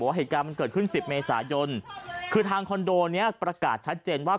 เหตุการณ์มันเกิดขึ้นสิบเมษายนคือทางคอนโดนี้ประกาศชัดเจนว่า